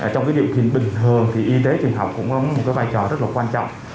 trong điều khiển bình thường y tế trường học cũng có một vai trò rất quan trọng